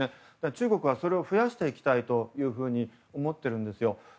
中国はそれを増やしていきたいと思っているんです。